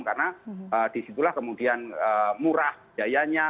karena disitulah kemudian murah dayanya